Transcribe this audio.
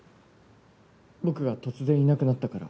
僕が突然いなくなったから。